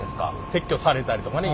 撤去されたりとかね。